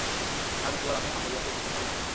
তার মৃত্যুর পর আমি আম্মুরিয়াতে কিছুকাল থাকলাম।